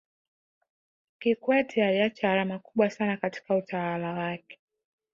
kikwete aliacha alama kubwa sana katika utawala wake